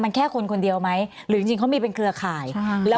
มันแค่คนคนเดียวไหมหรือจริงเขามีเป็นเครือข่ายแล้ว